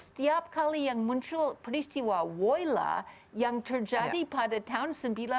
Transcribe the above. setiap kali yang muncul peristiwa woyla yang terjadi pada tahun seribu sembilan ratus sembilan puluh